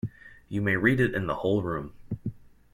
You may read it in the whole room.